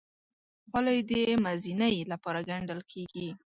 خولۍ د مزینۍ لپاره ګنډل کېږي.